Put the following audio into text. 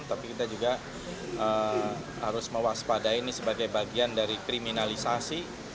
tapi kita juga harus mewaspadai ini sebagai bagian dari kriminalisasi